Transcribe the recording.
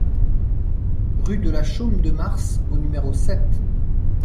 Rue de la Chaume de Mars au numéro sept